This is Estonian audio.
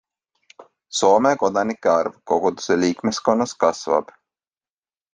Soome kodanike arv koguduse liikmeskonnas kasvab.